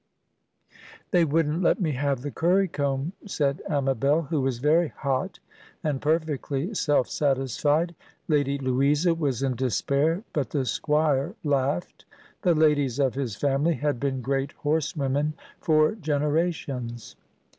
"They wouldn't let me have the currycomb," said Amabel, who was very hot, and perfectly self satisfied. Lady Louisa was in despair, but the Squire laughed. The ladies of his family had been great horsewomen for generations.